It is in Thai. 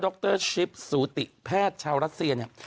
รชิปสูติแพทย์ชาวรัสเซียเนี่ย